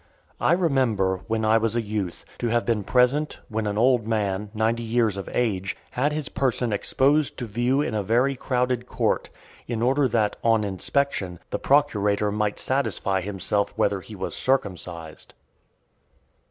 I remember, when I was a youth, to have been present , when an old man, ninety years of age, had his person exposed to view in a very crowded court, in order that, on inspection, the procurator might satisfy himself whether he was circumcised.